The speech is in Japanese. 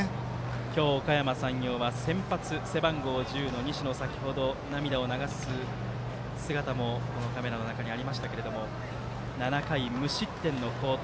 今日、おかやま山陽は先発、背番号１０の西野先ほど涙を流す姿もカメラでありましたけども７回無失点の好投。